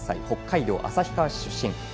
北海道旭川市出身